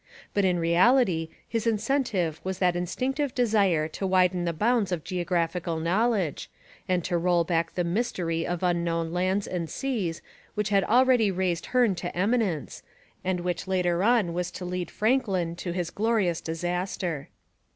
But in reality, his incentive was that instinctive desire to widen the bounds of geographical knowledge, and to roll back the mystery of unknown lands and seas which had already raised Hearne to eminence, and which later on was to lead Franklin to his glorious disaster.